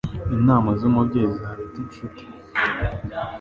Inama z'umubyeyi zaruta inshuti